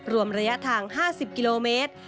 รวมระยะทาง๕๐กิโลเมตร